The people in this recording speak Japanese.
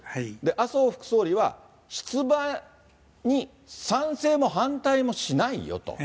麻生副総理は出馬に賛成も反対もしないよと。